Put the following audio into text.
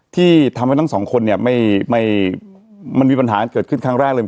ที่ทำให้ทั้งสองคนเนี่ยไม่มันมีปัญหาเกิดขึ้นครั้งแรกเลย